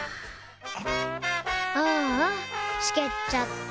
・ああ湿気っちゃった。